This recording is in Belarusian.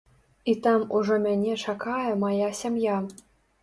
І там ужо мяне чакае мая сям'я.